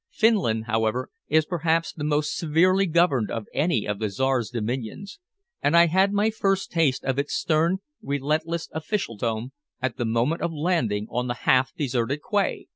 Finland, however, is perhaps the most severely governed of any of the Czar's dominions, and I had my first taste of its stern, relentless officialdom at the moment of landing on the half deserted quay.